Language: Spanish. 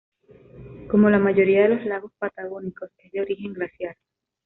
Como la mayoría de los lagos patagónicos, es de origen glaciar.